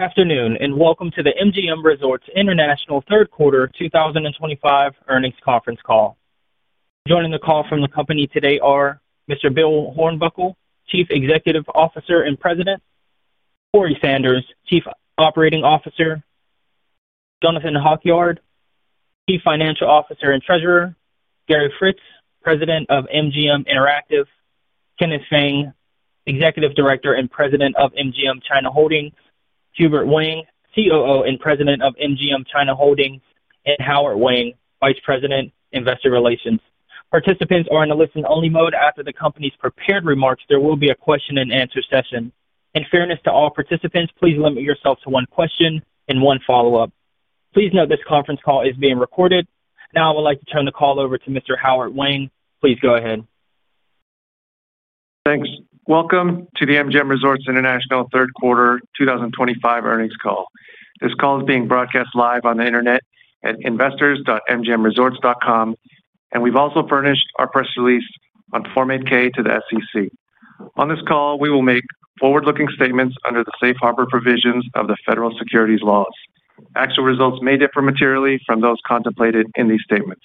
Afternoon and welcome to the MGM Resorts International third quarter 2025 earnings conference call. Joining the call from the company today are Mr. Bill Hornbuckle, Chief Executive Officer and President, Corey Sanders, Chief Operating Officer, Jonathan Halkyard, Chief Financial Officer and Treasurer, Gary Fritz, President of MGM Interactive, Kenneth Feng, Executive Director and President of MGM China Holdings, Hubert Wang, COO and President of MGM China Holdings, and Howard Wang, Vice President, Investor Relations. Participants are in a listen-only mode. After the company's prepared remarks, there will be a question-and-answer session. In fairness to all participants, please limit yourself to one question and one follow-up. Please note this conference call is being recorded. Now I would like to turn the call over to Mr. Howard Wang. Please go ahead. Thanks. Welcome to the MGM Resorts International third quarter 2025 earnings call. This call is being broadcast live on the internet at investors.mgmresorts.com, and we've also furnished our press release on Form 8-K to the SEC. On this call, we will make forward-looking statements under the safe harbor provisions of the Federal Securities Laws. Actual results may differ materially from those contemplated in these statements.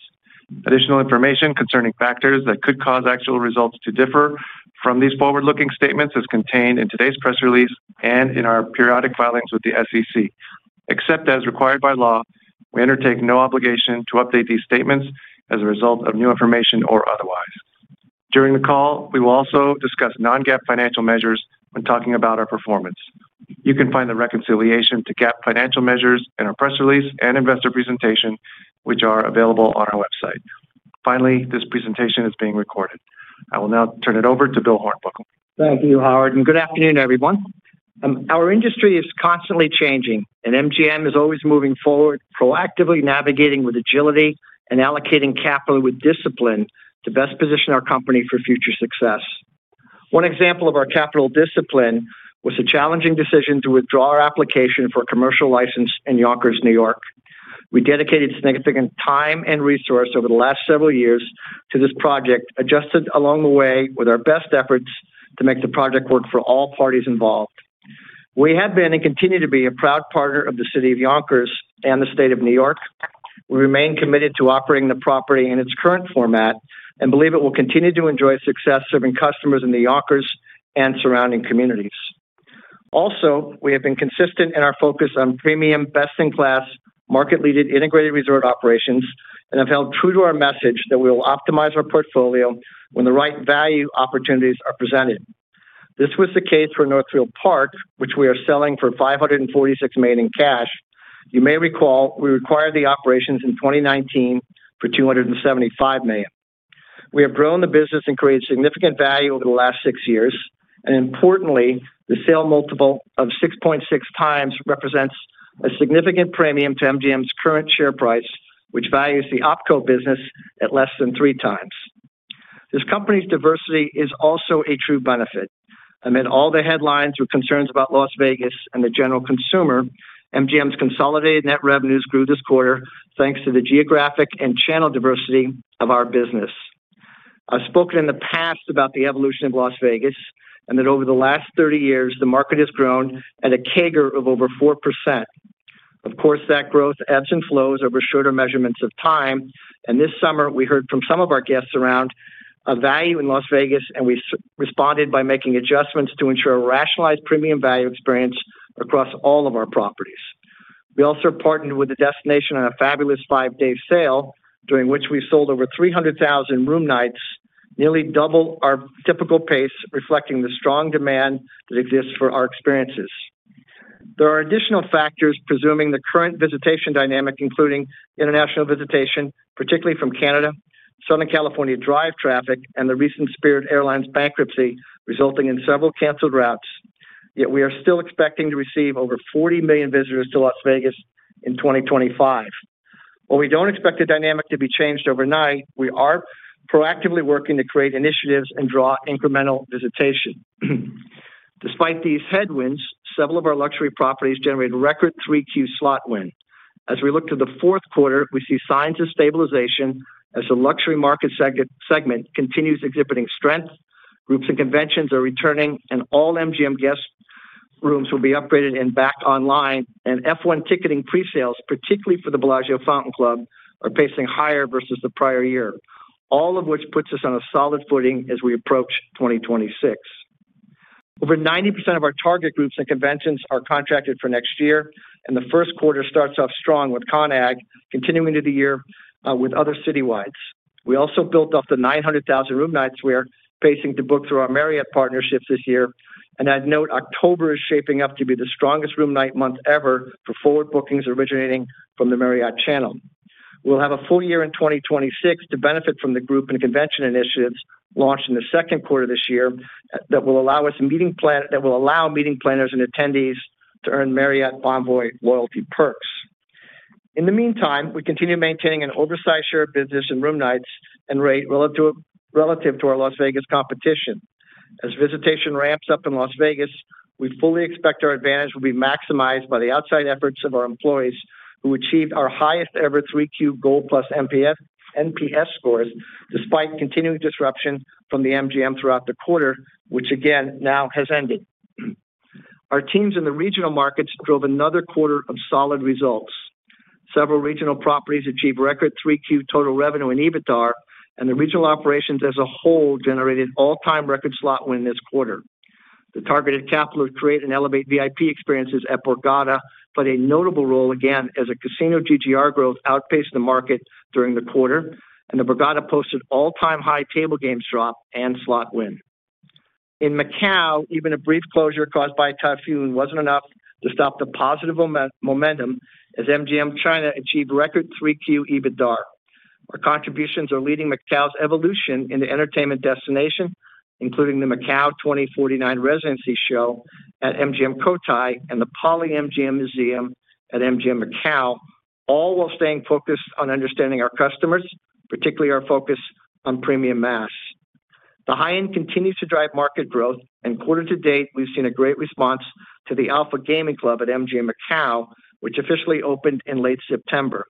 Additional information concerning factors that could cause actual results to differ from these forward-looking statements is contained in today's press release and in our periodic filings with the SEC. Except as required by law, we undertake no obligation to update these statements as a result of new information or otherwise. During the call, we will also discuss non-GAAP financial measures when talking about our performance. You can find the reconciliation to GAAP financial measures in our press release and investor presentation, which are available on our website. Finally, this presentation is being recorded. I will now turn it over to Bill Hornbuckle. Thank you, Howard, and good afternoon, everyone. Our industry is constantly changing, and MGM is always moving forward, proactively navigating with agility and allocating capital with discipline to best position our company for future success. One example of our capital discipline was the challenging decision to withdraw our application for a commercial license in Yonkers, New York. We dedicated significant time and resources over the last several years to this project, adjusted along the way with our best efforts to make the project work for all parties involved. We have been and continue to be a proud partner of the City of Yonkers and the State of New York. We remain committed to operating the property in its current format and believe it will continue to enjoy success serving customers in the Yonkers and surrounding communities. Also, we have been consistent in our focus on premium, best-in-class, market-leading integrated resort operations and have held true to our message that we will optimize our portfolio when the right value opportunities are presented. This was the case for Northfield Park, which we are selling for $546 million in cash. You may recall we acquired the operations in 2019 for $275 million. We have grown the business and created significant value over the last six years, and importantly, the sale multiple of 6.6x represents a significant premium to MGM's current share price, which values the opco business at less than three times. This company's diversity is also a true benefit. Amid all the headlines with concerns about Las Vegas and the general consumer, MGM's consolidated net revenues grew this quarter thanks to the geographic and channel diversity of our business. I've spoken in the past about the evolution of Las Vegas and that over the last 30 years, the market has grown at a CAGR of over 4%. Of course, that growth ebbs and flows over shorter measurements of time, and this summer we heard from some of our guests around a value in Las Vegas, and we responded by making adjustments to ensure a rationalized premium value experience across all of our properties. We also partnered with a destination on a fabulous five-day sale, during which we sold over 300,000 room nights, nearly double our typical pace, reflecting the strong demand that exists for our experiences. There are additional factors presuming the current visitation dynamic, including international visitation, particularly from Canada, Southern California drive traffic, and the recent Spirit Airlines bankruptcy resulting in several canceled routes. Yet we are still expecting to receive over 40 million visitors to Las Vegas in 2025. While we don't expect the dynamic to be changed overnight, we are proactively working to create initiatives and draw incremental visitation. Despite these headwinds, several of our luxury properties generated record Q3 slot wins. As we look to the fourth quarter, we see signs of stabilization as the luxury market segment continues exhibiting strength. Groups and conventions are returning, and all MGM guest rooms will be upgraded and back online, and F1 ticketing presales, particularly for the Bellagio Fountain Club, are pacing higher versus the prior year, all of which puts us on a solid footing as we approach 2026. Over 90% of our target groups and conventions are contracted for next year, and the first quarter starts off strong with Con Ag, continuing into the year with other citywides. We also built off the 900,000 room nights we are pacing to book through our Marriott partnership this year, and I'd note October is shaping up to be the strongest room night month ever for forward bookings originating from the Marriott channel. We'll have a full year in 2026 to benefit from the group and convention initiatives launched in the second quarter this year that will allow us meeting planners and attendees to earn Marriott Bonvoy loyalty perks. In the meantime, we continue maintaining an oversized share of business in room nights and rate relative to our Las Vegas competition. As visitation ramps up in Las Vegas, we fully expect our advantage will be maximized by the outside efforts of our employees who achieved our highest ever Q3 goal plus NPS scores, despite continuing disruption from the MGM throughout the quarter, which again now has ended. Our teams in the regional markets drove another quarter of solid results. Several regional properties achieved record Q3 total revenue in EBITDA, and the regional operations as a whole generated all-time record slot win this quarter. The targeted capital to create and elevate VIP experiences at Borgata played a notable role again as casino GGR growth outpaced the market during the quarter, and the Borgata posted all-time high table games drop and slot win. In Macau, even a brief closure caused by typhoon wasn't enough to stop the positive momentum as MGM China achieved record Q3 EBITDA. Our contributions are leading Macau's evolution into an entertainment destination, including the Macau 2049 Residency Show at MGM Cotai and the POLY MGM MUSEUM at MGM Macau, all while staying focused on understanding our customers, particularly our focus on premium mass. The high-end continues to drive market growth, and quarter to date we've seen a great response to the Alpha Gaming Club at MGM Macau, which officially opened in late September.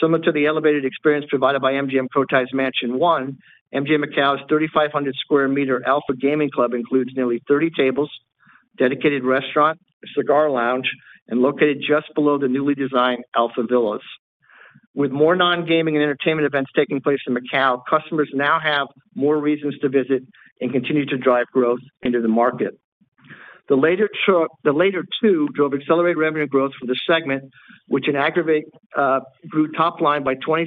Similar to the elevated experience provided by MGM Cotai's Mansion One, MGM Macau's 3,500 sq m Alpha Gaming Club includes nearly 30 tables, a dedicated restaurant, a cigar lounge, and is located just below the newly designed Alpha Villas. With more non-gaming and entertainment events taking place in Macao customers now have more reasons to visit and continue to drive growth into the market. The latter two drove accelerated revenue growth for the segment, which in aggregate grew top line by 23%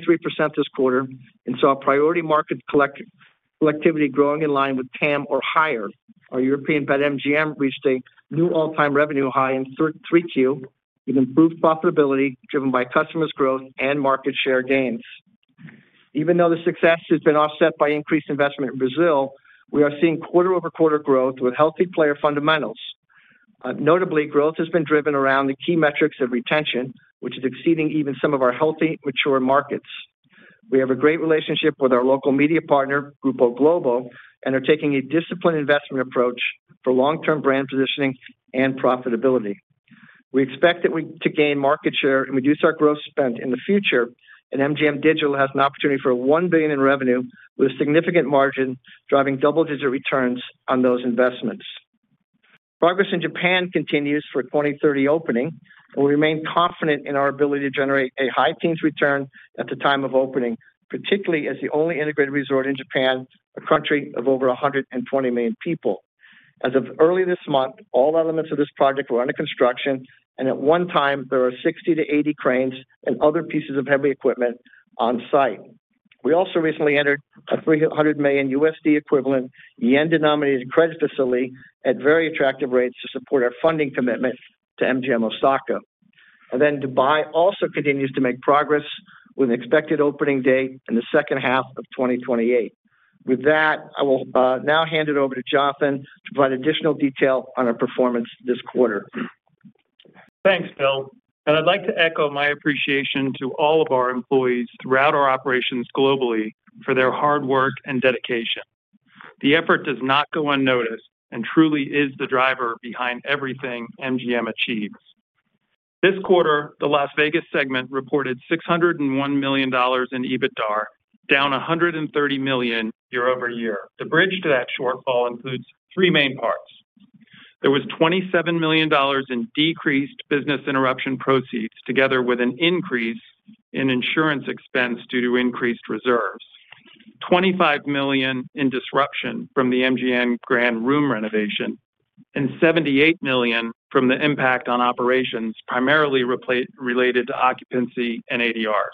this quarter and saw priority market collectivity growing in line with TAM or higher. Our European BetMGM reached a new all-time revenue high in Q3 with improved profitability driven by customer growth and market share gains. Even though the success has been offset by increased investment in Brazil, we are seeing quarter-over-quarter growth with healthy player fundamentals. Notably, growth has been driven around the key metrics of retention, which is exceeding even some of our healthy, mature markets. We have a great relationship with our local media partner, Grupo Globo, and are taking a disciplined investment approach for long-term brand positioning and profitability. We expect to gain market share and reduce our gross spend in the future, and MGM Digital has an opportunity for $1 billion in revenue with a significant margin driving double-digit returns on those investments. Progress in Japan continues for 2030 opening, and we remain confident in our ability to generate a high teens return at the time of opening, particularly as the only integrated resort in Japan, a country of over 120 million people. As of early this month, all elements of this project were under construction, and at one time there were 60 to 80 cranes and other pieces of heavy equipment on site. We also recently entered a $300 million equivalent yen-denominated credit facility at very attractive rates to support our funding commitment to MGM Osaka. Dubai also continues to make progress with an expected opening date in the second half of 2028. With that, I will now hand it over to Jonathan to provide additional detail on our performance this quarter. Thanks, Bill. I'd like to echo my appreciation to all of our employees throughout our operations globally for their hard work and dedication. The effort does not go unnoticed and truly is the driver behind everything MGM achieves. This quarter, the Las Vegas segment reported $601 million in EBITDA, down $130 million year over year. The bridge to that shortfall includes three main parts. There was $27 million in decreased business interruption proceeds, together with an increase in insurance expense due to increased reserves, $25 million in disruption from the MGM Grand Room renovation, and $78 million from the impact on operations primarily related to occupancy and ADR.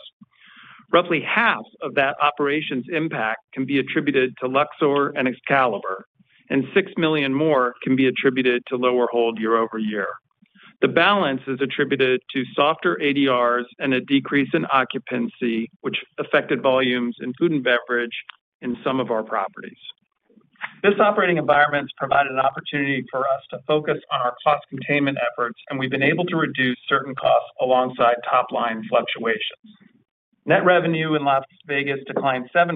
Roughly half of that operations impact can be attributed to Luxor and Excalibur, and $6 million more can be attributed to lower hold year over year. The balance is attributed to softer ADR and a decrease in occupancy, which affected volumes in food and beverage in some of our properties. This operating environment has provided an opportunity for us to focus on our cost containment efforts, and we've been able to reduce certain costs alongside top line fluctuations. Net revenue in Las Vegas declined 7%,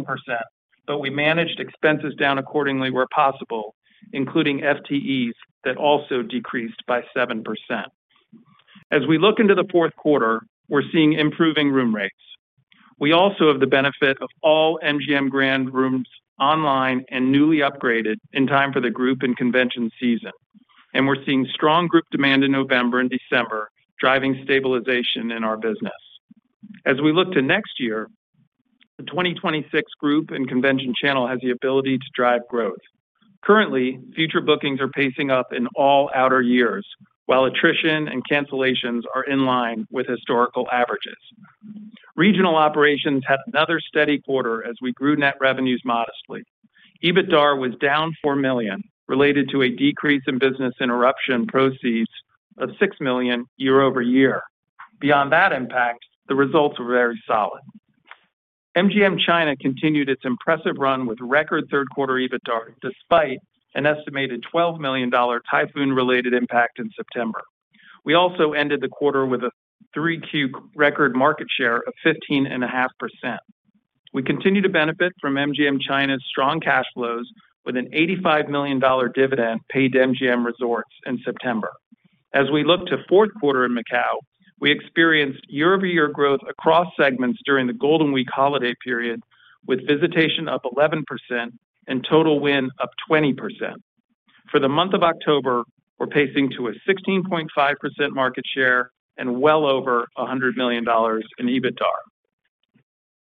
but we managed expenses down accordingly where possible, including FTEs that also decreased by 7%. As we look into the fourth quarter, we're seeing improving room rates. We also have the benefit of all MGM Grand Rooms online and newly upgraded in time for the group and convention season, and we're seeing strong group demand in November and December, driving stabilization in our business. As we look to next year, the 2026 group and convention channel has the ability to drive growth. Currently, future bookings are pacing up in all outer years, while attrition and cancellations are in line with historical averages. Regional operations had another steady quarter as we grew net revenues modestly. EBITDA was down $4 million related to a decrease in business interruption proceeds of $6 million year-over-year. Beyond that impact, the results were very solid. MGM China continued its impressive run with record third quarter EBITDA despite an estimated $12 million typhoon-related impact in September. We also ended the quarter with a three-quarter record market share of 15.5%. We continue to benefit from MGM China's strong cash flows with an $85 million dividend paid to MGM Resorts in September. As we look to the fourth quarter in Macau, we experienced year-over-year growth across segments during the Golden Week holiday period, with visitation up 11% and total win up 20%. For the month of October, we're pacing to a 16.5% market share and well over $100 million in EBITDA.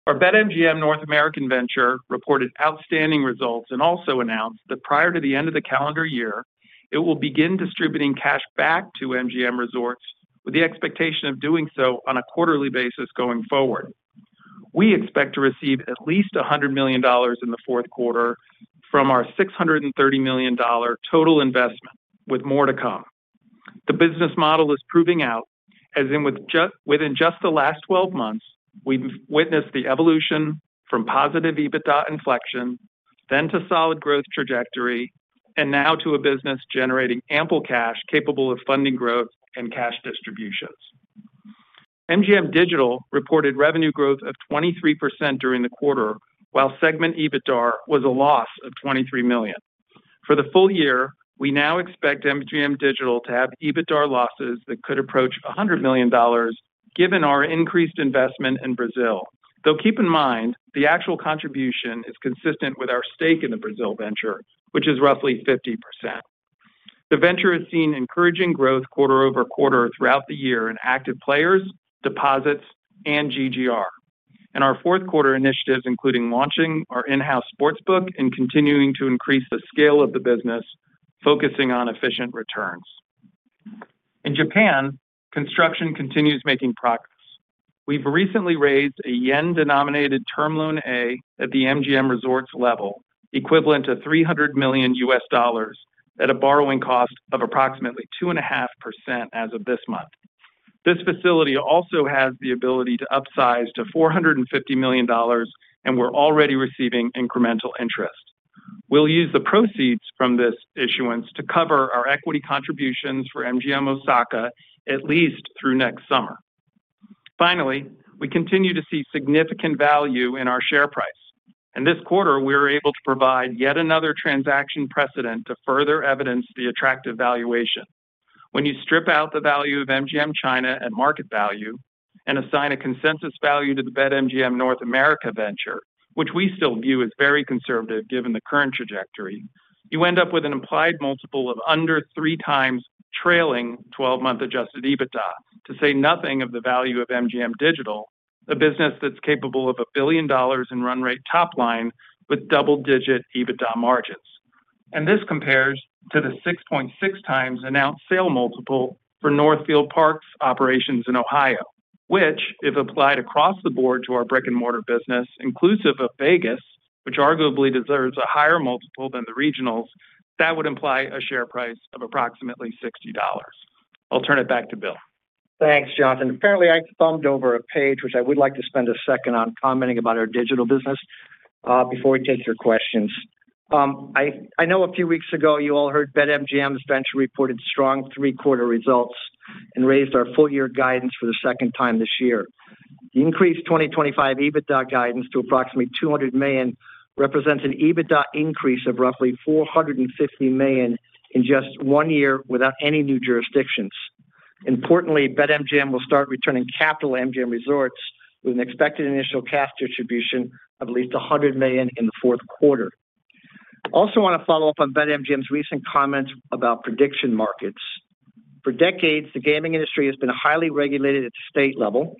Our BetMGM North American venture reported outstanding results and also announced that prior to the end of the calendar year, it will begin distributing cash back to MGM Resorts with the expectation of doing so on a quarterly basis going forward. We expect to receive at least $100 million in the fourth quarter from our $630 million total investment, with more to come. The business model is proving out, as in within just the last 12 months, we've witnessed the evolution from positive EBITDA inflection, then to solid growth trajectory, and now to a business generating ample cash capable of funding growth and cash distributions. MGM Digital reported revenue growth of 23% during the quarter, while segment EBITDA was a loss of $23 million. For the full year, we now expect MGM Digital to have EBITDA losses that could approach $100 million given our increased investment in Brazil. Though keep in mind, the actual contribution is consistent with our stake in the Brazil venture, which is roughly 50%. The venture has seen encouraging growth quarter over quarter throughout the year in active players, deposits, and GGR. Our fourth quarter initiatives include launching our in-house sportsbook and continuing to increase the scale of the business, focusing on efficient returns. In Japan, construction continues making progress. We've recently raised a yen-denominated term loan A at the MGM Resorts level, equivalent to $300 million at a borrowing cost of approximately 2.5% as of this month. This facility also has the ability to upsize to $450 million, and we're already receiving incremental interest. We'll use the proceeds from this issuance to cover our equity contributions for MGM Osaka at least through next summer. Finally, we continue to see significant value in our share price, and this quarter we were able to provide yet another transaction precedent to further evidence the attractive valuation. When you strip out the value of MGM China at market value and assign a consensus value to the BetMGM North America venture, which we still view as very conservative given the current trajectory, you end up with an implied multiple of under three times trailing 12-month adjusted EBITDA to say nothing of the value of MGM Digital, a business that's capable of $1 billion in run rate top line with double-digit EBITDA margins. This compares to the 6.6x announced sale multiple for Northfield Park's operations in Ohio, which, if applied across the board to our brick-and-mortar business, inclusive of Vegas, which arguably deserves a higher multiple than the regionals, would imply a share price of approximately $60. I'll turn it back to Bill. Thanks, Jonathan. Apparently, I bumped over a page, which I would like to spend a second on commenting about our digital business before we take your questions. I know a few weeks ago you all heard BetMGM's venture reported strong three-quarter results and raised our full-year guidance for the second time this year. The increased 2025 EBITDA guidance to approximately $200 million represents an EBITDA increase of roughly $450 million in just one year without any new jurisdictions. Importantly, BetMGM will start returning capital to MGM Resorts International with an expected initial cash distribution of at least $100 million in the fourth quarter. I also want to follow up on BetMGM's recent comments about prediction markets. For decades, the gaming industry has been highly regulated at the state level.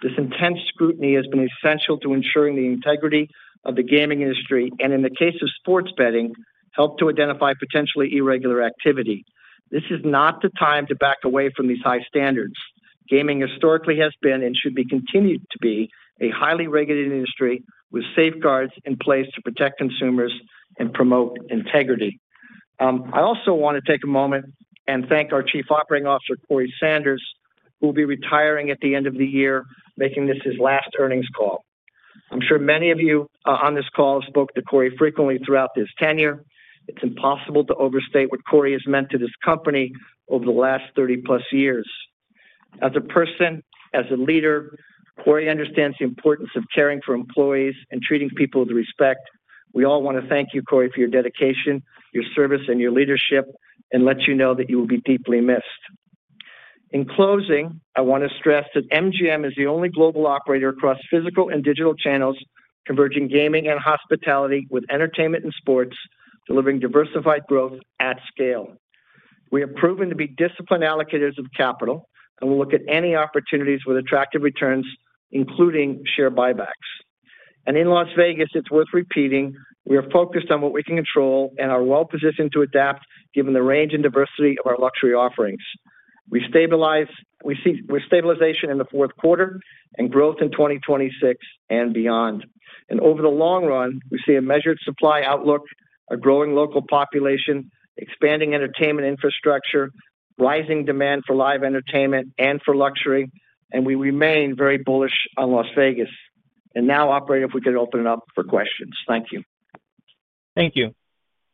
This intense scrutiny has been essential to ensuring the integrity of the gaming industry and, in the case of sports betting, helped to identify potentially irregular activity. This is not the time to back away from these high standards. Gaming historically has been and should be continued to be a highly regulated industry with safeguards in place to protect consumers and promote integrity. I also want to take a moment and thank our Chief Operating Officer, Corey Sanders, who will be retiring at the end of the year, making this his last earnings call. I'm sure many of you on this call have spoken to Corey frequently throughout his tenure. It's impossible to overstate what Corey has meant to this company over the last 30+ years. As a person, as a leader, Corey understands the importance of caring for employees and treating people with respect. We all want to thank you, Corey, for your dedication, your service, and your leadership and let you know that you will be deeply missed. In closing, I want to stress that MGM is the only global operator across physical and digital channels, converging gaming and hospitality with entertainment and sports, delivering diversified growth at scale. We have proven to be disciplined allocators of capital and will look at any opportunities with attractive returns, including share buybacks. In Las Vegas, it's worth repeating, we are focused on what we can control and are well-positioned to adapt given the range and diversity of our luxury offerings. We see stabilization in the fourth quarter and growth in 2026 and beyond. Over the long run, we see a measured supply outlook, a growing local population, expanding entertainment infrastructure, rising demand for live entertainment and for luxury, and we remain very bullish on Las Vegas. Now, Operator, if we could open it up for questions. Thank you. Thank you.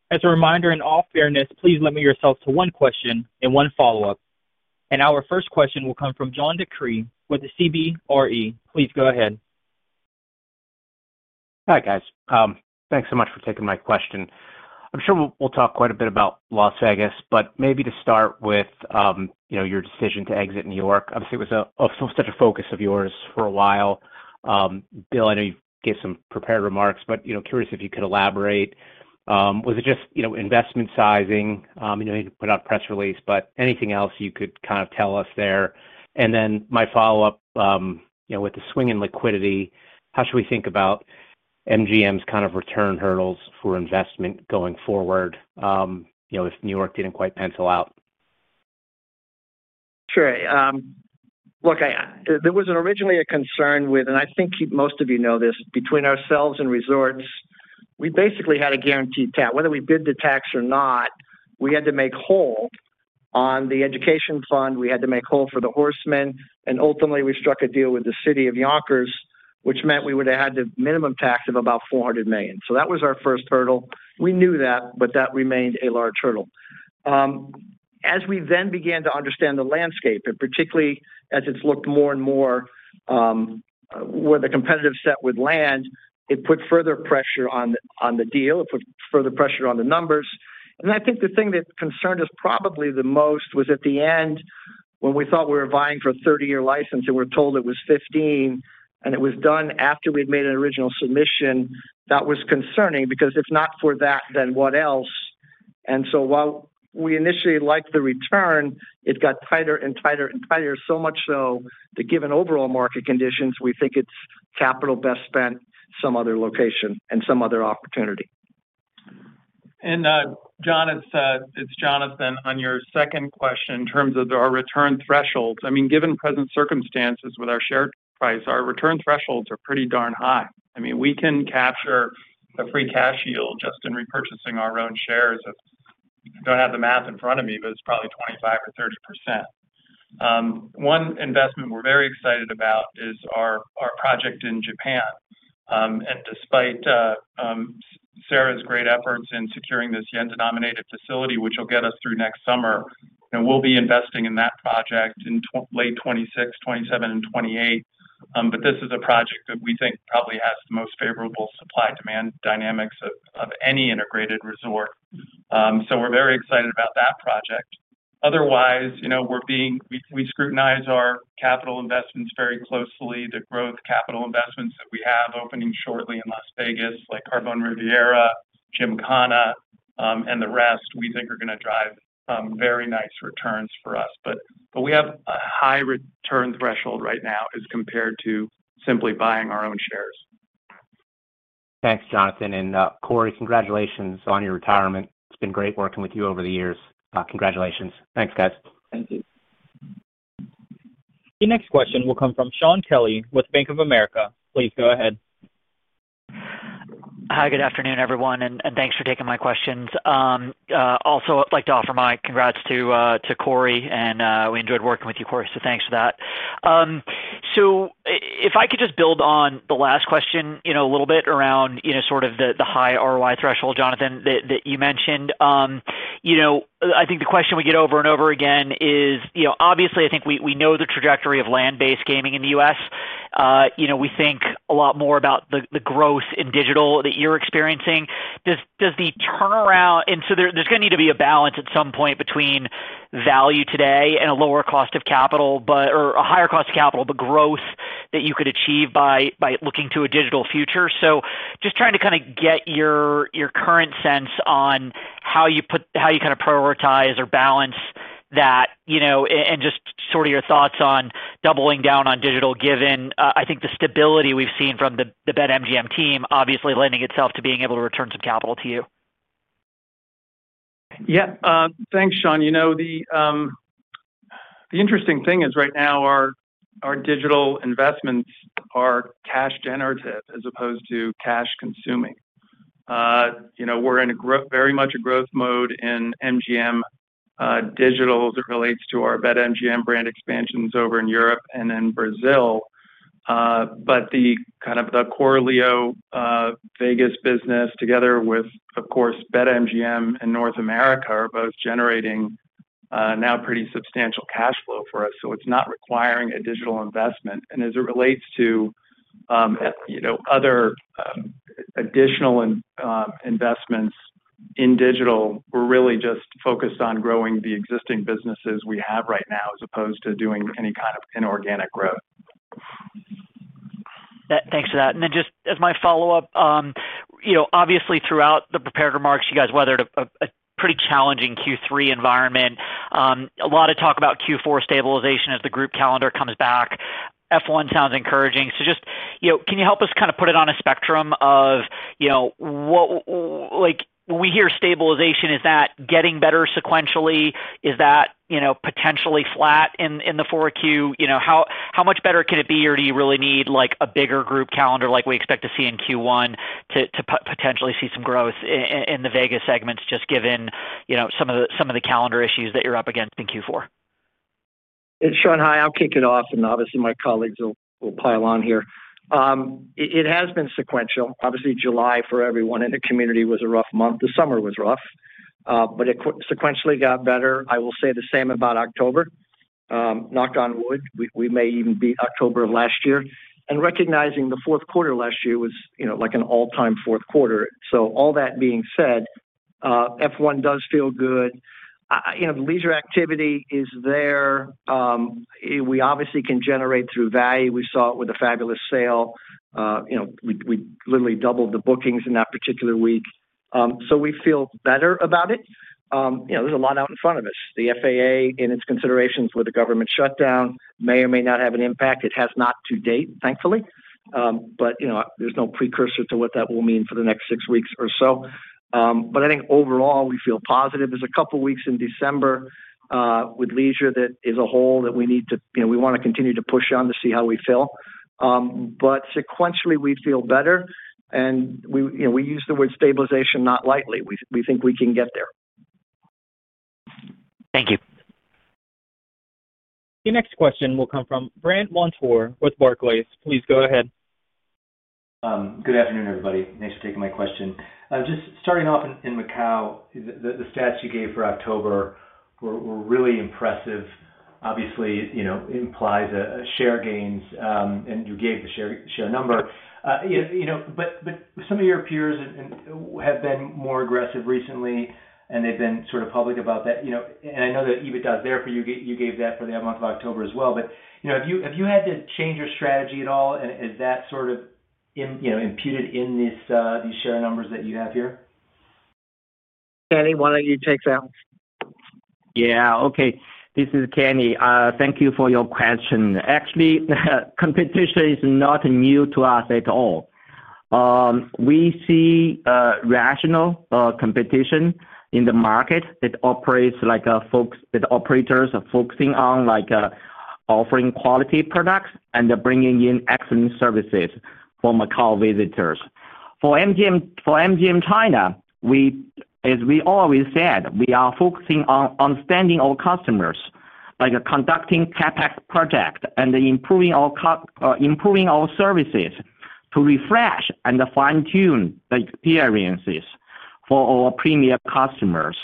As a reminder and all fairness, please limit yourself to one question and one follow-up. Our first question will come from John DeCree with CBRE. Please go ahead. Hi, guys. Thanks so much for taking my question. I'm sure we'll talk quite a bit about Las Vegas, but maybe to start with, you know, your decision to exit New York. Obviously, it was such a focus of yours for a while. Bill, I know you gave some prepared remarks, but you know, curious if you could elaborate. Was it just, you know, investment sizing? I know you put out a press release, but anything else you could kind of tell us there? My follow-up, you know, with the swing in liquidity, how should we think about MGM's kind of return hurdles for investment going forward, you know, if New York didn't quite pencil out? Sure. Look, there was originally a concern with, and I think most of you know this, between ourselves and Resorts, we basically had a guaranteed tax. Whether we bid the tax or not, we had to make hold on the education fund. We had to make hold for the horsemen. Ultimately, we struck a deal with the City of Yonkers, which meant we would have had a minimum tax of about $400 million. That was our first hurdle. We knew that, but that remained a large hurdle. As we then began to understand the landscape, particularly as it looked more and more where the competitive set would land, it put further pressure on the deal. It put further pressure on the numbers. I think the thing that concerned us probably the most was at the end, when we thought we were vying for a 30-year license and we're told it was 15, and it was done after we'd made an original submission, that was concerning because if not for that, then what else? While we initially liked the return, it got tighter and tighter and tighter, so much so that given overall market conditions, we think it's capital best spent in some other location and some other opportunity. John, it's Jonathan on your second question in terms of our return thresholds. Given present circumstances with our share price, our return thresholds are pretty darn high. We can capture a free cash yield just in repurchasing our own shares. I don't have the math in front of me, but it's probably 25% or 30%. One investment we're very excited about is our project in Japan. Despite Sarah's great efforts in securing this yen-denominated facility, which will get us through next summer, we'll be investing in that project in late 2026, 2027, and 2028. This is a project that we think probably has the most favorable supply-demand dynamics of any integrated resort. We are very excited about that project. Otherwise, we scrutinize our capital investments very closely. The growth capital investments that we have opening shortly in Las Vegas, like Carbon Riviera, Gymkhana, and the rest, we think are going to drive very nice returns for us. We have a high return threshold right now as compared to simply buying our own shares. Thanks, Jonathan. Corey, congratulations on your retirement. It's been great working with you over the years. Congratulations. Thanks, guys. Thank you. The next question will come from Shaun Kelley with Bank of America. Please go ahead. Hi, good afternoon, everyone, and thanks for taking my questions. Also, I'd like to offer my congrats to Corey, and we enjoyed working with you, Corey, so thanks for that. If I could just build on the last question, a little bit around the high ROI threshold, Jonathan, that you mentioned. I think the question we get over and over again is, obviously, I think we know the trajectory of land-based gaming in the U.S. We think a lot more about the growth in digital that you're experiencing. Does the turnaround, and so there's going to need to be a balance at some point between value today and a lower cost of capital, or a higher cost of capital, but growth that you could achieve by looking to a digital future. Just trying to kind of get your current sense on how you put, how you kind of prioritize or balance that, and just sort of your thoughts on doubling down on digital given I think the stability we've seen from the BetMGM team obviously lending itself to being able to return some capital to you. Yeah, thanks, Shaun. The interesting thing is right now our digital investments are cash generative as opposed to cash consuming. We're in very much a growth mode in MGM Digital as it relates to our BetMGM brand expansions over in Europe and in Brazil. The core LeoVegas business, together with, of course, BetMGM in North America, are both generating now pretty substantial cash flow for us. It's not requiring a digital investment. As it relates to other additional investments in digital, we're really just focused on growing the existing businesses we have right now as opposed to doing any kind of inorganic growth. Thanks for that. Just as my follow-up, obviously throughout the prepared remarks, you guys weathered a pretty challenging Q3 environment. There was a lot of talk about Q4 stabilization as the group calendar comes back. F1 sounds encouraging. Can you help us kind of put it on a spectrum of, when we hear stabilization, is that getting better sequentially? Is that potentially flat in the Q4? How much better could it be, or do you really need a bigger group calendar like we expect to see in Q1 to potentially see some growth in the Vegas segments just given some of the calendar issues that you're up against in Q4? Shaun, hi, I'll kick it off, and obviously my colleagues will pile on here. It has been sequential. Obviously, July for everyone in the community was a rough month. The summer was rough, but it sequentially got better. I will say the same about October. Knock on wood, we may even beat October of last year. Recognizing the fourth quarter last year was, you know, like an all-time fourth quarter. All that being said, F1 does feel good. The leisure activity is there. We obviously can generate through value. We saw it with a fabulous sale. We literally doubled the bookings in that particular week. We feel better about it. There's a lot out in front of us. The FAA and its considerations with the government shutdown may or may not have an impact. It has not to date, thankfully. There's no precursor to what that will mean for the next six weeks or so. I think overall we feel positive. There's a couple of weeks in December with leisure that is a hole that we need to, you know, we want to continue to push on to see how we feel. Sequentially, we feel better. We use the word stabilization not lightly. We think we can get there. Thank you. The next question will come from Brandt Montour with Barclays. Please go ahead. Good afternoon, everybody. Thanks for taking my question. Just starting off in Macau, the stats you gave for October were really impressive. Obviously, you know, implies share gains, and you gave the share number. You know, some of your peers have been more aggressive recently, and they've been sort of public about that. You know, I know the EBITDA is there for you. You gave that for the month of October as well. Have you had to change your strategy at all? Is that sort of, you know, imputed in these share numbers that you have here? Kenneth, why don't you take that one? Yeah, okay. This is Kenneth. Thank you for your question. Actually, competition is not new to us at all. We see rational competition in the market that operates like folks that operators are focusing on, like offering quality products and bringing in excellent services for MACAU visitors. For MGM China, we, as we always said, we are focusing on understanding our customers, like conducting CapEx projects and improving our services to refresh and fine-tune the experiences for our premier customers.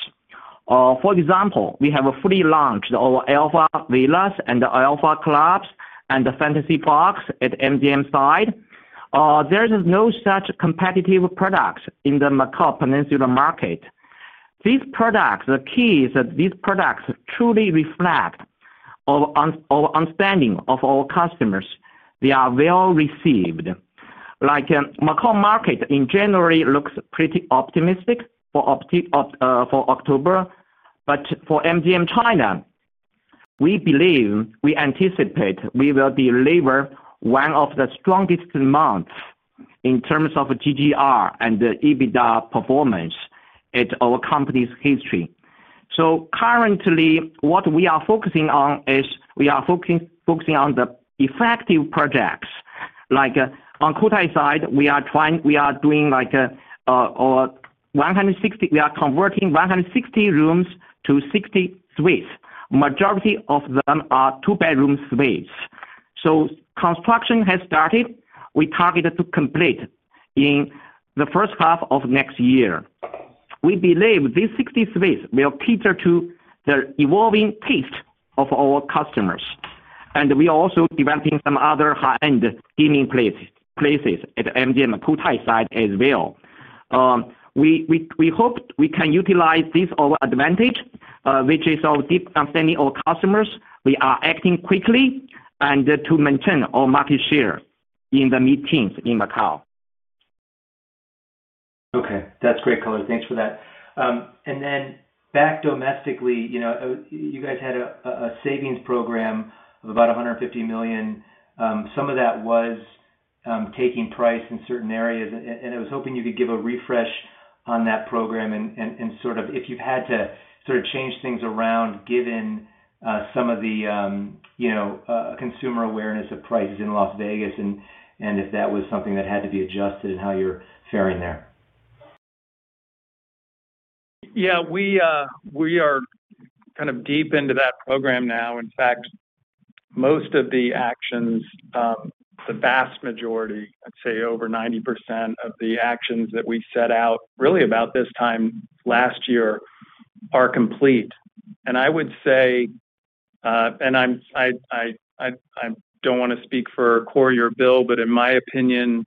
For example, we have a pre-launch of our Alpha Villas and Alpha Gaming Club and the Fantasy Parks at MGM site. There is no such competitive product in the Macau Peninsula market. The key is that these products truly reflect our understanding of our customers. They are well received. The Macau market in January looks pretty optimistic for October. For MGM China, we believe, we anticipate we will deliver one of the strongest months in terms of GGR and the EBITDA performance in our company's history. Currently, what we are focusing on is the effective projects. On COTAI side, we are converting 160 rooms to 60 suites. Majority of them are two-bedroom suites. Construction has started. We target to complete in the first half of next year. We believe these 60 suites will cater to the evolving taste of our customers. We are also developing some other high-end gaming places at MGM Cotai site as well. We hope we can utilize this advantage, which is our deep understanding of our customers. We are acting quickly to maintain our market share in the mid-teens in MACAU. Okay, that's great, Caller. Thanks for that. Back domestically, you guys had a savings program of about $150 million. Some of that was taking price in certain areas, and I was hoping you could give a refresh on that program and sort of if you've had to change things around given some of the consumer awareness of prices in Las Vegas and if that was something that had to be adjusted and how you're faring there. Yeah, we are kind of deep into that program now. In fact, most of the actions, the vast majority, I'd say over 90% of the actions that we set out really about this time last year are complete. I would say, and I don't want to speak for Corey or Bill, but in my opinion,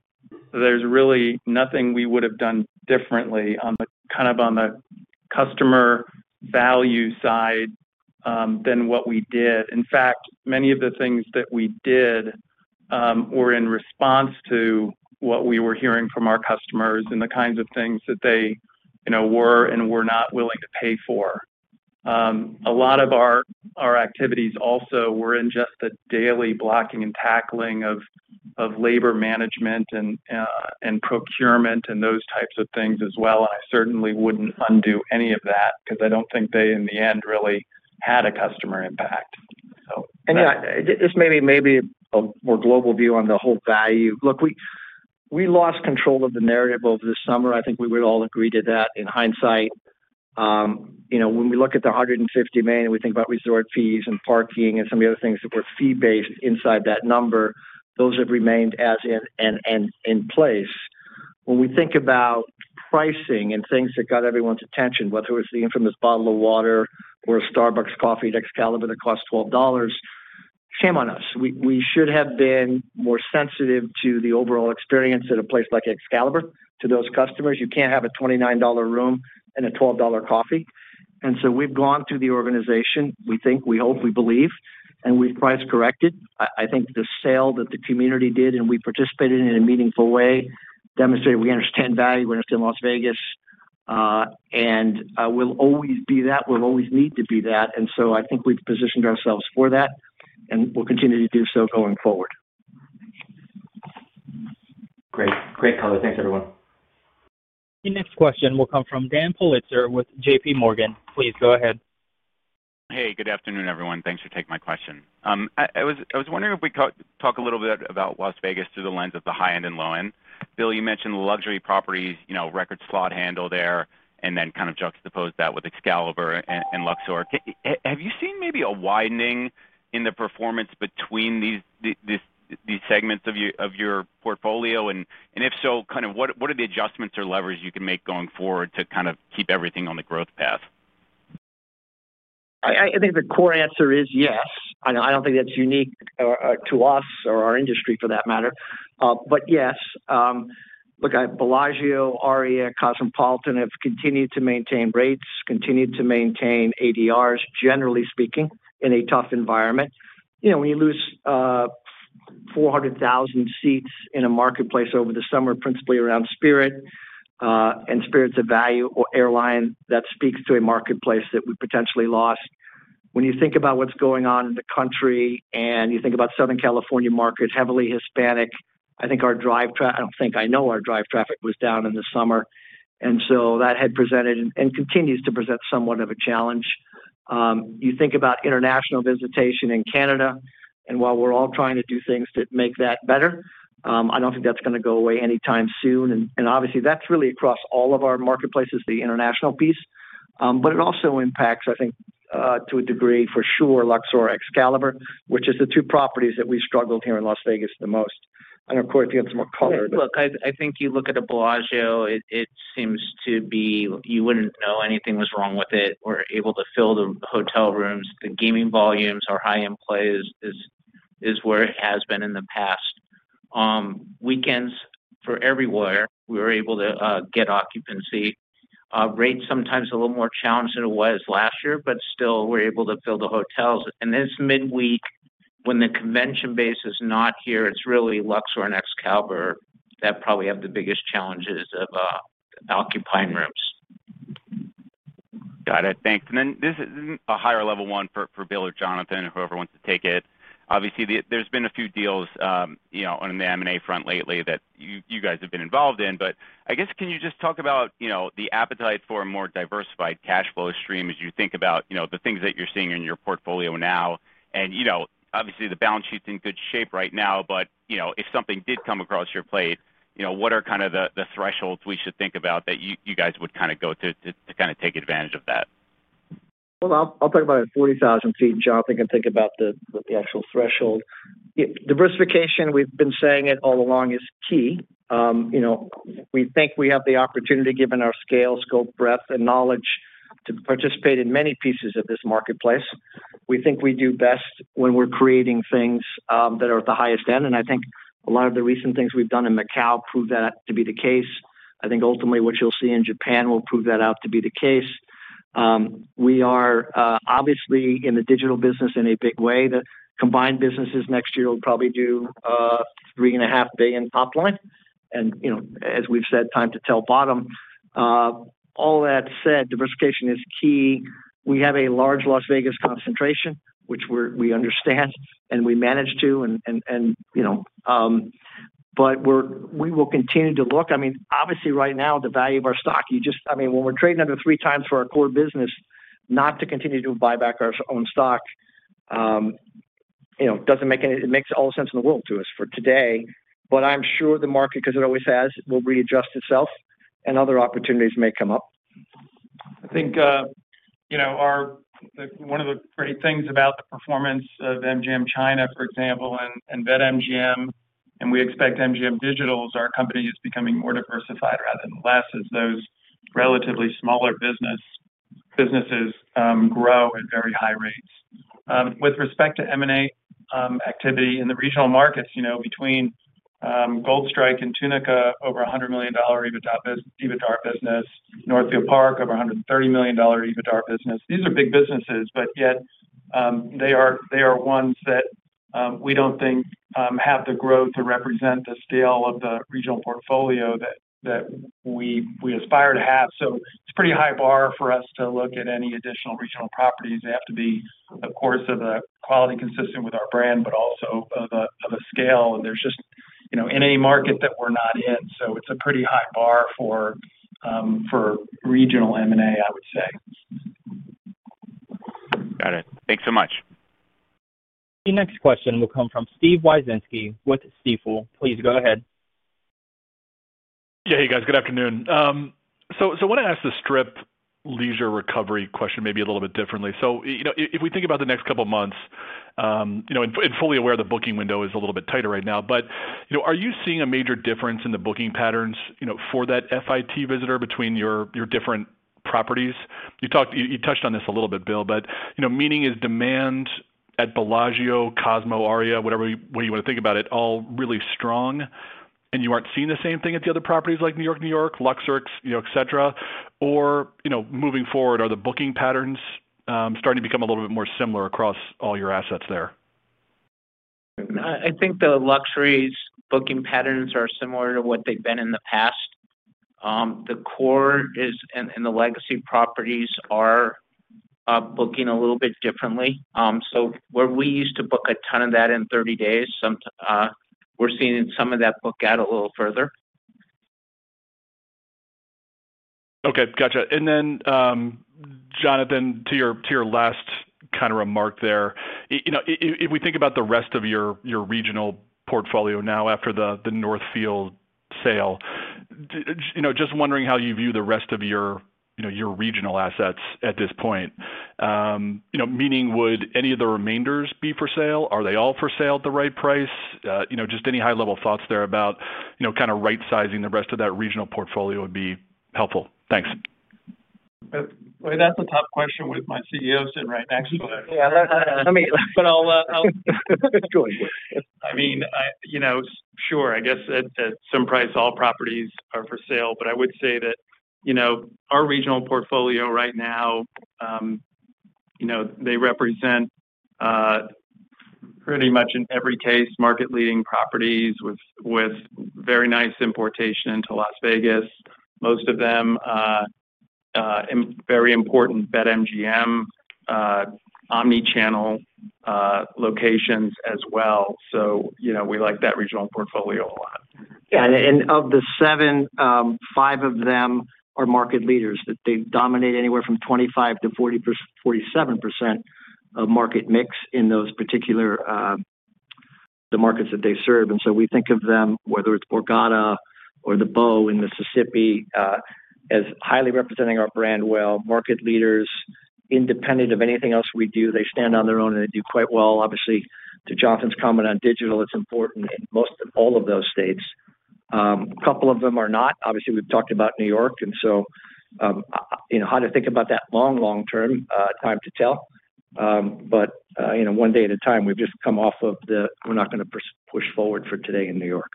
there's really nothing we would have done differently on the customer value side than what we did. In fact, many of the things that we did were in response to what we were hearing from our customers and the kinds of things that they were and were not willing to pay for. A lot of our activities also were in just the daily blocking and tackling of labor management and procurement and those types of things as well. I certainly wouldn't undo any of that because I don't think they in the end really had a customer impact. This may be a more global view on the whole value. Look, we lost control of the narrative over the summer. I think we would all agree to that in hindsight. When we look at the $150 million and we think about resort fees and parking and some of the other things that were fee-based inside that number, those have remained in and in place. When we think about pricing and things that got everyone's attention, whether it was the infamous bottle of water or a Starbucks coffee at Excalibur that cost $12, shame on us. We should have been more sensitive to the overall experience at a place like Excalibur to those customers. You can't have a $29 room and a $12 coffee. We have gone through the organization, we think, we hope, we believe, and we've price corrected. I think the sale that the community did and we participated in in a meaningful way demonstrated we understand value, we understand Las Vegas, and we'll always be that. We'll always need to be that. I think we've positioned ourselves for that and will continue to do so going forward. Great, great caller. Thanks, everyone. The next question will come from Dan Politzer with JPMorgan. Please go ahead. Hey, good afternoon, everyone. Thanks for taking my question. I was wondering if we could talk a little bit about Las Vegas through the lens of the high-end and low-end. Bill, you mentioned the luxury properties, you know, record slot handle there, and then kind of juxtaposed that with Excalibur and Luxor. Have you seen maybe a widening in the performance between these segments of your portfolio? If so, what are the adjustments or levers you can make going forward to keep everything on the growth path? I think the core answer is yes. I don't think that's unique to us or our industry for that matter. Yes, look, at Bellagio, Aria, Cosmopolitan have continued to maintain rates, continued to maintain ADRs, generally speaking, in a tough environment. When you lose 400,000 seats in a marketplace over the summer, principally around Spirit, and Spirit's a value airline that speaks to a marketplace that we potentially lost. When you think about what's going on in the country and you think about the Southern California market, heavily Hispanic, I think our drive traffic, I don't think, I know our drive traffic was down in the summer. That had presented and continues to present somewhat of a challenge. You think about international visitation in Canada, and while we're all trying to do things to make that better, I don't think that's going to go away anytime soon. Obviously, that's really across all of our marketplaces, the international piece. It also impacts, I think, to a degree for sure, Luxor and Excalibur, which are the two properties that we struggled here in Las Vegas the most. I don't know, Corey, if you have some more color. Look, I think you look at Bellagio, it seems to be you wouldn't know anything was wrong with it. We're able to fill the hotel rooms. The gaming volumes are high and play is where it has been in the past. Weekends for everywhere, we were able to get occupancy. Rates sometimes a little more challenged than it was last year, but still, we're able to fill the hotels. This midweek, when the convention base is not here, it's really Luxor and Excalibur that probably have the biggest challenges of occupying rooms. Got it. Thanks. This is a higher level one for Bill or Jonathan, whoever wants to take it. Obviously, there's been a few deals on the M&A front lately that you guys have been involved in. I guess, can you just talk about the appetite for a more diversified cash flow stream as you think about the things that you're seeing in your portfolio now? Obviously, the balance sheet's in good shape right now, but if something did come across your plate, what are kind of the thresholds we should think about that you guys would kind of go to to take advantage of that? I’ll talk about it at 40,000 ft, and Jonathan can think about the actual threshold. Diversification, we've been saying it all along, is key. We think we have the opportunity, given our scale, scope, breadth, and knowledge, to participate in many pieces of this marketplace. We think we do best when we're creating things that are at the highest end. I think a lot of the recent things we've done in MACAU proved that to be the case. I think ultimately what you'll see in Japan will prove that out to be the case. We are obviously in the digital business in a big way. The combined businesses next year will probably do $3.5 billion top line. As we've said, time to tell bottom. All that said, diversification is key. We have a large Las Vegas concentration, which we understand and we manage to. We will continue to look. Obviously right now, the value of our stock, when we're trading under three times for our core business, not to continue to buy back our own stock, it makes all the sense in the world to us for today. I'm sure the market, because it always has, will readjust itself and other opportunities may come up. I think one of the great things about the performance of MGM China, for example, and BetMGM, and we expect MGM Digital, as our company is becoming more diversified rather than less as those relatively smaller businesses grow at very high rates. With respect to M&A activity in the regional markets, between Gold Strike and Tunica, over $100 million EBITDA business, Northfield Park, over $130 million EBITDA business, these are big businesses, but yet they are ones that we don't think have the growth to represent the scale of the regional portfolio that we aspire to have. It's a pretty high bar for us to look at any additional regional properties. They have to be, of course, of the quality consistent with our brand, but also of a scale. There's just, in any market that we're not in. It's a pretty high bar for regional M&A, I would say. Got it. Thanks so much. The next question will come from Steve Wieczynski with Stifel. Please go ahead. Yeah, hey guys, good afternoon. I want to ask the Strip leisure recovery question maybe a little bit differently. If we think about the next couple of months, and fully aware the booking window is a little bit tighter right now, are you seeing a major difference in the booking patterns for that FIT visitor between your different properties? You touched on this a little bit, Bill, but meaning is demand at Bellagio, Cosmopolitan of Las Vegas, Aria, whatever way you want to think about it, all really strong and you aren't seeing the same thing at the other properties like New York-New York, Luxor, et cetera, or moving forward, are the booking patterns starting to become a little bit more similar across all your assets there? I think the luxury's booking patterns are similar to what they've been in the past. The core and the legacy properties are booking a little bit differently. Where we used to book a ton of that in 30 days, we're seeing some of that book out a little further. Okay, gotcha. Jonathan, to your last kind of remark there, if we think about the rest of your regional portfolio now after the Northfield Park sale, just wondering how you view the rest of your regional assets at this point. Meaning, would any of the remainders be for sale? Are they all for sale at the right price? Any high-level thoughts there about right-sizing the rest of that regional portfolio would be helpful. Thanks. Boy, that's a tough question with my CEO sitting right next to me. Let me, but I'll... Go ahead, Corey. I mean, sure, I guess at some price all properties are for sale, but I would say that our regional portfolio right now, they represent pretty much in every case market-leading properties with very nice importation to Las Vegas, most of them, very important BetMGM, omnichannel locations as well. We like that regional portfolio a lot. Yeah, and of the seven, five of them are market leaders. They dominate anywhere from 25%-47% of market mix in those particular markets that they serve. We think of them, whether it's Borgata or the Beau in Mississippi, as highly representing our brand well, market leaders, independent of anything else we do. They stand on their own and they do quite well. Obviously, to Jonathan's comment on digital, it's important in most of all of those states. A couple of them are not. Obviously, we've talked about New York. How to think about that long, long-term, time to tell. One day at a time, we've just come off of the, we're not going to push forward for today in New York.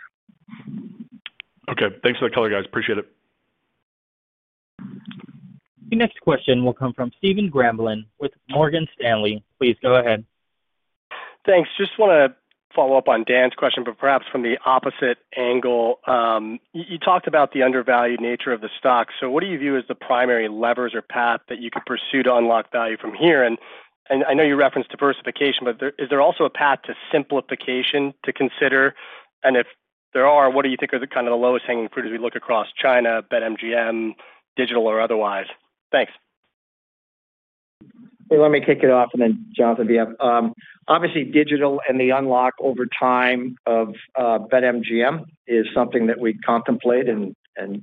Okay, thanks for the color, guys. Appreciate it. The next question will come from Stephen Grambling with Morgan Stanley. Please go ahead. Thanks. I just want to follow up on Dan's question, but perhaps from the opposite angle. You talked about the undervalued nature of the stock. What do you view as the primary levers or path that you could pursue to unlock value from here? I know you referenced diversification, but is there also a path to simplification to consider? If there are, what do you think are the kind of the lowest hanging fruit as we look across China, BetMGM, digital, or otherwise? Thanks. Hey, let me kick it off and then Jonathan be up. Obviously, digital and the unlock over time of BetMGM is something that we contemplate, and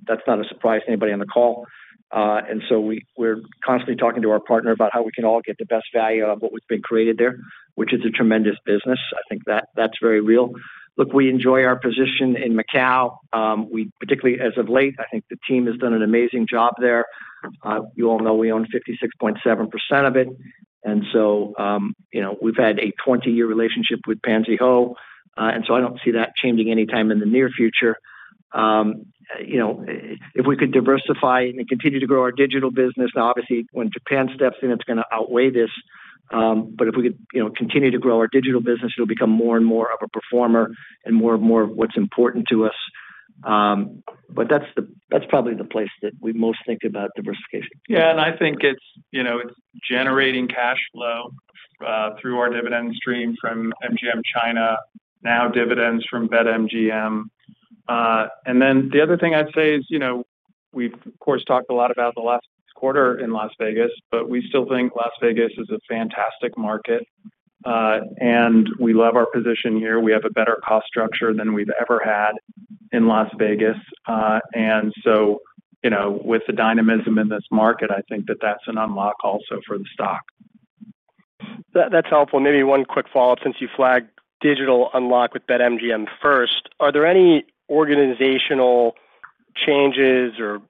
that's not a surprise to anybody on the call. We're constantly talking to our partner about how we can all get the best value out of what's been created there, which is a tremendous business. I think that that's very real. Look, we enjoy our position in Macau. We particularly, as of late, I think the team has done an amazing job there. You all know we own 56.7% of it. We've had a 20-year relationship with Pansy Ho, and I don't see that changing anytime in the near future. If we could diversify and continue to grow our digital business, now obviously when Japan steps in, it's going to outweigh this. If we could continue to grow our digital business, it'll become more and more of a performer and more and more of what's important to us. That's probably the place that we most think about diversification. Yeah, I think it's generating cash flow through our dividend stream from MGM China, now dividends from BetMGM. The other thing I'd say is we've, of course, talked a lot about the last quarter in Las Vegas, but we still think Las Vegas is a fantastic market. We love our position here. We have a better cost structure than we've ever had in Las Vegas. With the dynamism in this market, I think that that's an unlock also for the stock. That's helpful. Maybe one quick follow-up since you flagged digital unlock with BetMGM first. Are there any organizational changes or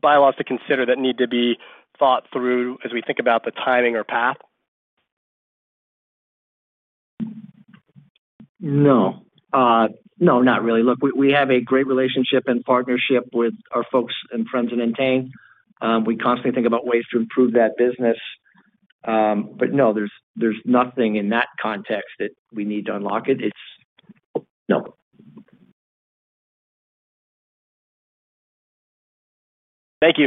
bylaws to consider that need to be thought through as we think about the timing or path? No, not really. Look, we have a great relationship and partnership with our folks and friends in Entain. We constantly think about ways to improve that business. No, there's nothing in that context that we need to unlock it. It's no. Thank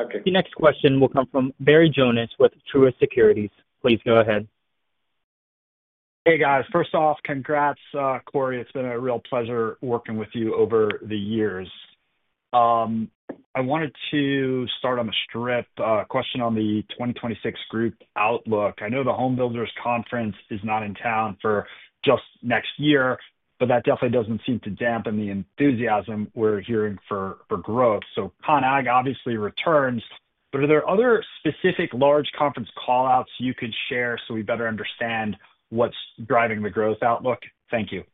you. Okay. The next question will come from Barry Jonas with Truist Securities. Please go ahead. Hey guys, first off, congrats, Corey. It's been a real pleasure working with you over the years. I wanted to start on the Strip, a question on the 2026 group outlook. I know the Home Builders Conference is not in town for just next year, but that definitely doesn't seem to dampen the enthusiasm we're hearing for growth. Con Ag obviously returns, but are there other specific large conference callouts you could share so we better understand what's driving the growth outlook? Thank you.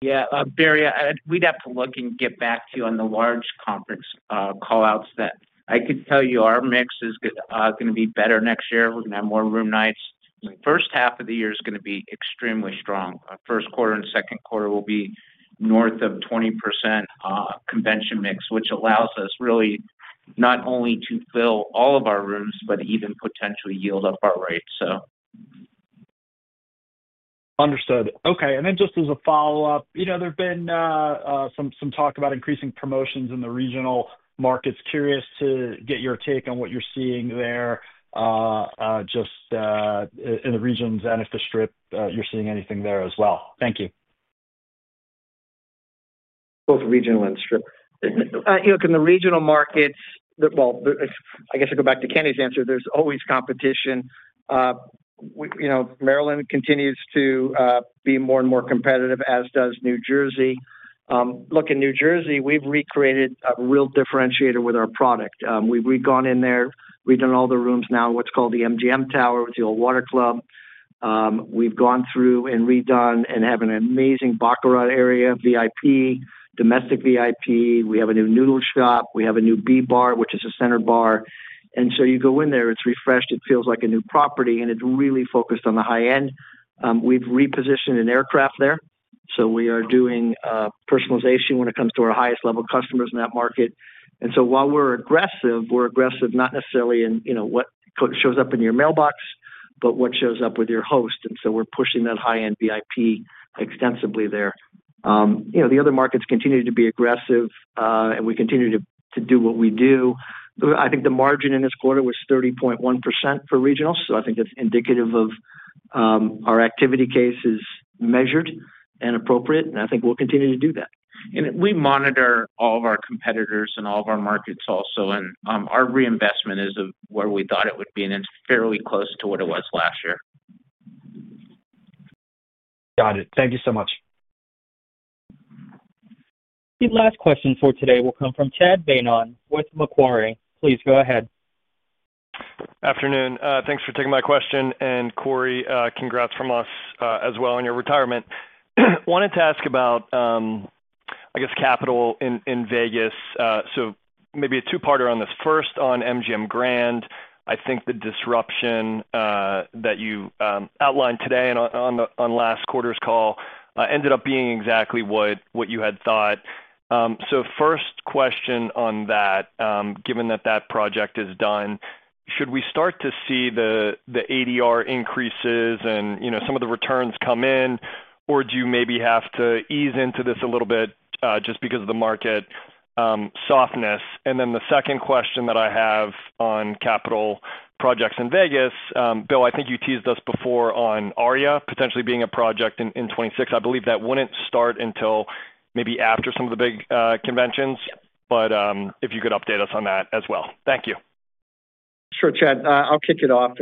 Yeah, Barry, we'd have to look and get back to you on the large conference callouts. I could tell you our mix is going to be better next year. We're going to have more room nights. The first half of the year is going to be extremely strong. First quarter and second quarter will be north of 20% convention mix, which allows us really not only to fill all of our rooms, but even potentially yield up our rates. Understood. Okay, and then just as a follow-up, you know, there's been some talk about increasing promotions in the regional markets. Curious to get your take on what you're seeing there, just in the regions and if the Strip, you're seeing anything there as well. Thank you. Both regional and Strip. In the regional markets, I'll go back to Kenny's answer. There's always competition. Maryland continues to be more and more competitive, as does New Jersey. In New Jersey, we've recreated a real differentiator with our product. We've gone in there, redone all the rooms, now what's called the MGM Tower with the old Water Club. We've gone through and redone and have an amazing baccarat area, VIP, domestic VIP. We have a new noodle shop. We have a new B Bar, which is a center bar. You go in there, it's refreshed. It feels like a new property, and it's really focused on the high end. We've repositioned an aircraft there. We are doing personalization when it comes to our highest level customers in that market. While we're aggressive, we're aggressive not necessarily in what shows up in your mailbox, but what shows up with your host. We're pushing that high-end VIP extensively there. The other markets continue to be aggressive, and we continue to do what we do. I think the margin in this quarter was 30.1% for regionals. I think it's indicative of our activity case is measured and appropriate. I think we'll continue to do that. We monitor all of our competitors and all of our markets also. Our reinvestment is where we thought it would be, and it's fairly close to what it was last year. Got it. Thank you so much. The last question for today will come from Chad Beynon with Macquarie. Please go ahead. Afternoon. Thanks for taking my question. Corey, congrats from us as well on your retirement. I wanted to ask about, I guess, capital in Vegas. Maybe a two-parter on this. First, on MGM Grand, I think the disruption that you outlined today and on last quarter's call ended up being exactly what you had thought. First question on that, given that that project is done, should we start to see the ADR increases and, you know, some of the returns come in, or do you maybe have to ease into this a little bit just because of the market softness? The second question that I have on capital projects in Vegas, Bill, I think you teased us before on Aria potentially being a project in 2026. I believe that wouldn't start until maybe after some of the big conventions, but if you could update us on that as well. Thank you. Sure, Chad. I'll kick it off.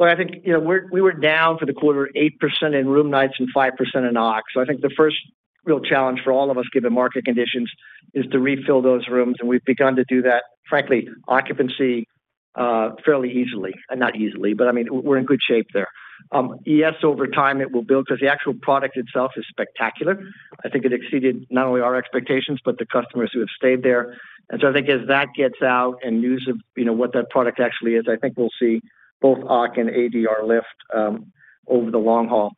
I think, you know, we were down for the quarter, 8% in room nights and 5% in ADR. I think the first real challenge for all of us, given market conditions, is to refill those rooms. We've begun to do that, frankly, occupancy fairly easily. Not easily, but I mean, we're in good shape there. Yes, over time it will build because the actual product itself is spectacular. I think it exceeded not only our expectations, but the customers who have stayed there. I think as that gets out and news of, you know, what that product actually is, we'll see both occupancy and ADR lift over the long haul.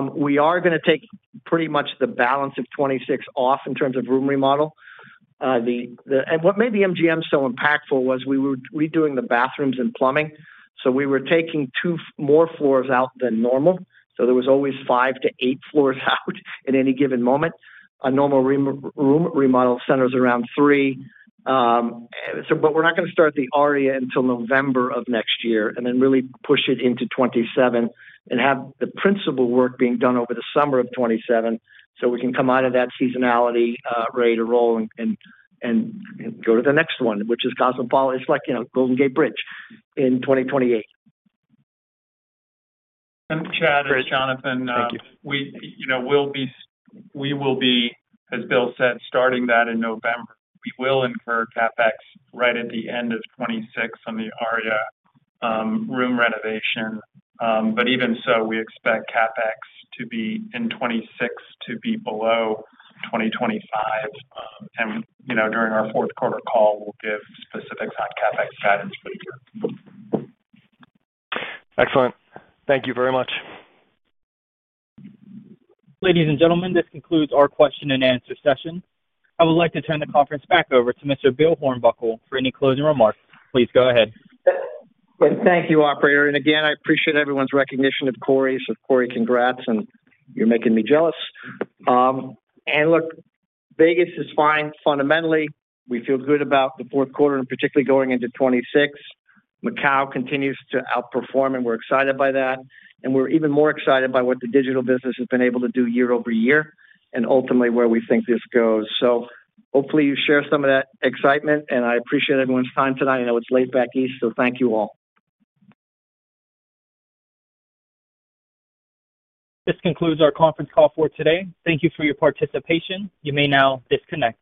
We are going to take pretty much the balance of 2026 off in terms of room remodel. What made the MGM so impactful was we were redoing the bathrooms and plumbing. We were taking two more floors out than normal, so there was always five to eight floors out in any given moment. A normal room remodel centers around three. We're not going to start the Aria until November of next year and then really push it into 2027 and have the principal work being done over the summer of 2027 so we can come out of that seasonality rate or roll and go to the next one, which is Cosmopolitan. It's like, you know, Golden Gate Bridge in 2028. Chad and Jonathan, you know, we will be, as Bill said, starting that in November. We will incur CapEx right at the end of 2026 on the Aria room renovation. Even so, we expect CapEx in 2026 to be below 2025. During our fourth quarter call, we'll give specifics on CapEx guidance. Excellent. Thank you very much. Ladies and gentlemen, this concludes our question and answer session. I would like to turn the conference back over to Mr. Bill Hornbuckle for any closing remarks. Please go ahead. Thank you, Operator. Again, I appreciate everyone's recognition of Corey. Corey, congrats, and you're making me jealous. Look, Vegas is fine fundamentally. We feel good about the fourth quarter and particularly going into 2026. MACAU continues to outperform, and we're excited by that. We're even more excited by what the digital business has been able to do year-over-year and ultimately where we think this goes. Hopefully you share some of that excitement, and I appreciate everyone's time tonight. I know it's late back east, so thank you all. This concludes our conference call for today. Thank you for your participation. You may now disconnect.